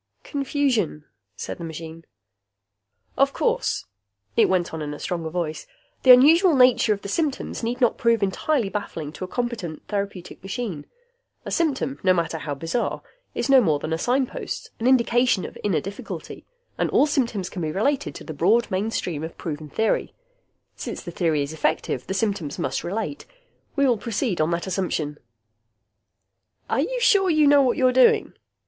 "Confusion," said the machine. "Of course," it went on in a stronger voice, "the unusual nature of the symptoms need not prove entirely baffling to a competent therapeutic machine. A symptom, no matter how bizarre, is no more than a signpost, an indication of inner difficulty. And all symptoms can be related to the broad mainstream of proven theory. Since the theory is effective, the symptoms must relate. We will proceed on that assumption." "Are you sure you know what you're doing?"